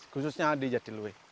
khususnya di jatiluih